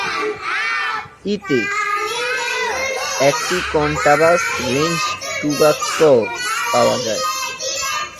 ই-তে একটি কন্ট্রাবাস-রেঞ্জ টুবাক্সও পাওয়া যায়।